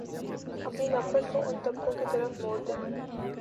اپنی نفرت کو ان طبقوں کی طرف موڑ دیں